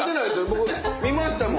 僕見ましたもん。